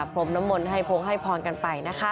พรุมน้ำมนต์ให้พลงให้พลกันไป